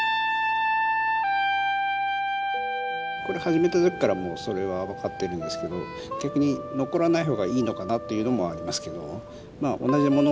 これ始めた時からもうそれは分かってるんですけど逆に残らない方がいいのかなというのもありますけども。